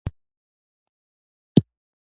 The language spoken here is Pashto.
نه خلک ورته په دې سترګه ګوري.